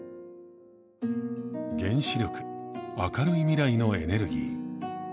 「原子力明るい未来のエネルギー」